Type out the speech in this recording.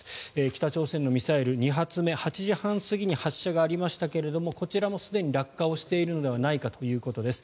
北朝鮮のミサイル、２発目８時半過ぎに発射がありましたがこちらもすでに落下をしているのではないかということです。